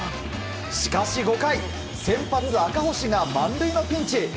しかし２回、先発、赤星が満塁のピンチ。